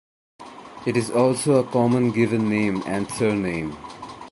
It is also a common given name and surname.